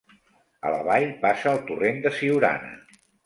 A la vall passa el torrent de Siurana.